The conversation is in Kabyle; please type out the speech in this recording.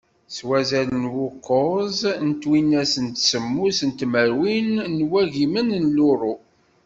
S wazal n wukuẓ n twinas d semmus n tmerwin n wagimen n luru.